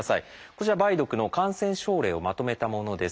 こちら梅毒の感染症例をまとめたものです。